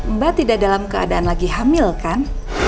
mbak tidak dalam keadaan lagi hamil kan